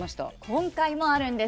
今回もあるんです。